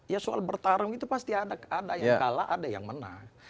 ya soal bertarung itu pasti ada yang kalah ada yang menang